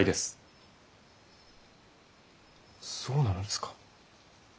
そうなのですか。